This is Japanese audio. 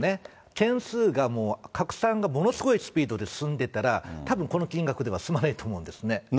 件数がもう拡散がものすごいスピードで進んでたら、たぶんこの金額では済まないと思うんですね。